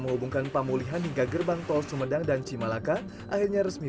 menghubungkan pemulihan hingga gerbang tol sumedang dan cimalaka akhirnya resmi